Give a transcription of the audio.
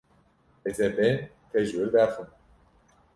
Ez ê bêm te ji wir derxim.